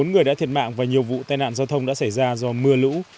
bốn người đã thiệt mạng và nhiều vụ tai nạn giao thông đã xảy ra do mưa lũ